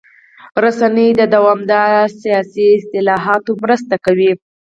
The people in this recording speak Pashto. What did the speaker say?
رسنۍ د دوامداره سیاسي اصلاحاتو مرسته کوي.